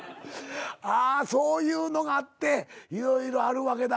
あそういうのがあって色々あるわけだ。